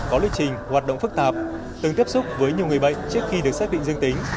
có lịch trình hoạt động phức tạp từng tiếp xúc với nhiều người bệnh trước khi được xác định dương tính